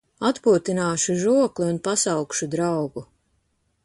Atpūtināšu žokli un pasaukšu draugu.